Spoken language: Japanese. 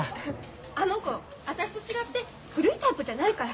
あの子私と違って古いタイプじゃないから。